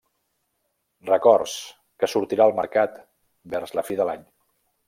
Records, que sortirà al mercat vers la fi de l'any.